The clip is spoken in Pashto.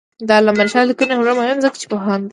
د علامه رشاد لیکنی هنر مهم دی ځکه چې پوهاند دی.